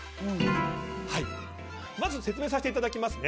まず説明させていただきますね。